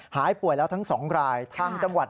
หายป่วยแล้วทั้งสองรายทางจังหวัด